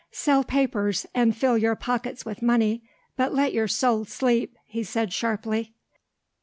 "Sell papers and fill your pockets with money but let your soul sleep," he said sharply.